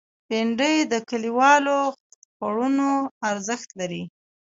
بېنډۍ د کلیوالو خوړونو ارزښت لري